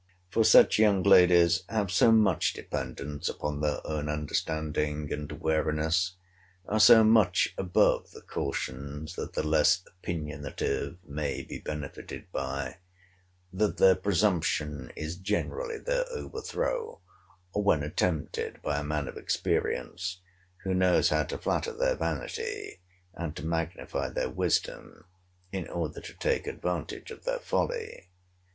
For such young ladies have so much dependence upon their own understanding and wariness, are so much above the cautions that the less opinionative may be benefited by, that their presumption is generally their overthrow, when attempted by a man of experience, who knows how to flatter their vanity, and to magnify their wisdom, in order to take advantage of their folly.